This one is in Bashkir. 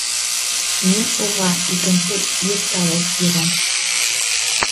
Мин уға икенсе ир табып бирәм.